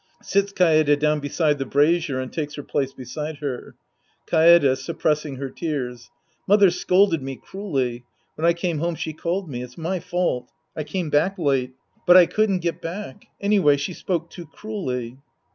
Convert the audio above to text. {Sits Kaede down beside the brazier and takes her place beside her.) Kaede {suppressing her tears). " Mother " scolded me cruelly. When I came home she called me. It's my fault. I came back late. But I couldn't get back. Anyway she spoke too cruelly.